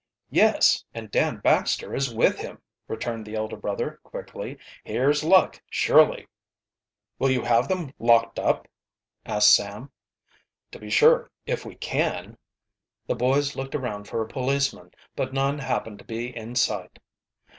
"Yes, and Dan Baxter is with him!" returned the elder brother quickly. "Here's luck, surely!" "Will you have them locked up?" asked Sam. "To be sure if we can." The boys looked around for a policeman, but none happened to be in sight.